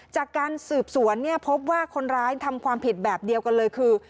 จากการสืบสวนเนี่ยพบว่าคนร้ายทำความผิดแบบเดียวกันเลยคือ